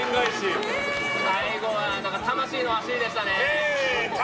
最後は魂の走りでしたね。